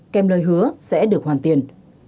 kèm lời hứa sẽ được hoàn tiền